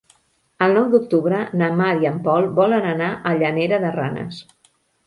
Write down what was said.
El nou d'octubre na Mar i en Pol volen anar a Llanera de Ranes.